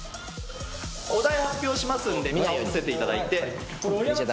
お題発表しますんで、見ないようにしていただいて。